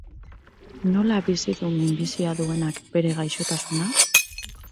Nola bizi du minbizia duenak bere gaixotasuna?